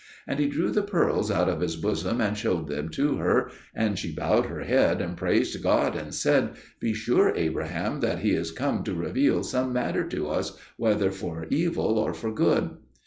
And he drew the pearls out of his bosom and showed them to her, and she bowed her head and praised God and said, "Be sure, Abraham, that he is come to reveal some matter to us, whether for evil or for good."